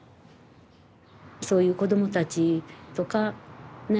そういう子どもたちとかねえ